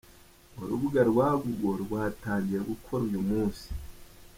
Urubuga rwa Google rwatangiye gukora uyu munsi.